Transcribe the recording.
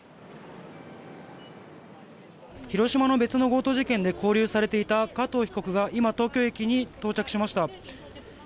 広島の別の強盗事件で拘留されていた加藤被告が今、東京駅に到着しました。